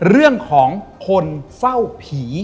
เรื่องของคนเฝ้าผี